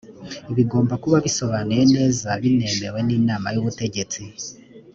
bigomba kuba bisobanuye neza binemewe n’inama y’ubutegetsi